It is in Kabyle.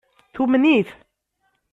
Tumen-it.